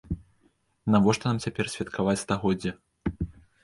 Навошта нам цяпер святкаваць стагоддзе?